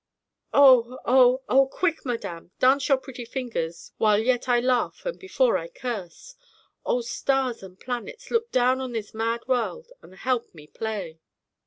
"Oh oh oh! Quick, madame! dance your pretty figures while yet I laugh and before I curse. O stars and planets, look down on this mad world and help me play!